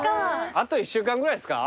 あと１週間ぐらいですか？